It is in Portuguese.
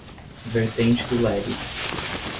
Vertente do Lério